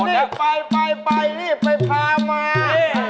นี่ไปไปไปนี่ไปพามา